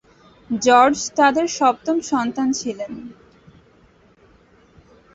George তাদের সপ্তম সন্তান ছিলেন।